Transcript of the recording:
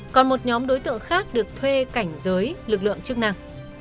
còn một nhóm đối tượng khác được thuê cảnh giới lực lượng chức năng